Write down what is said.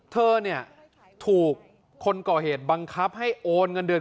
เธอเนี่ยถูกคนก่อเหตุบังคับให้โอนเงินเดือน